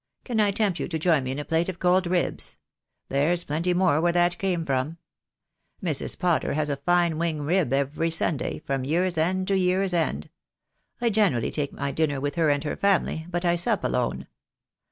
Can I tempt you to join me in a plate of cold ribs? There's plenty more where that came from. Mrs. Potter has a fine wing rib every Sunday, from year's end to year's end. I generally take my dinner with her and her family, but I sup alone.